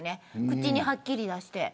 口にはっきりと出して。